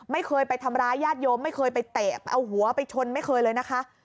ไม่เคยไปทำร้ายญาติโยมไม่เคยไปเตะไปเอาหัวไปชนไม่เคยเลยนะคะ